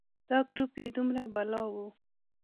دا ګروپ یې دومره بلا و.